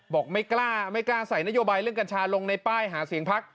บอกไม่กล้าไม่กล้าใส่นโยบายเรื่องกัญชาลงในป้ายหาเสียงพัก